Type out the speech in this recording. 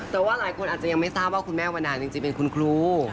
แต่ว่าหลายคนอาจจะยังไม่ทราบว่าคุณแม่วันนาจริงเป็นคุณครู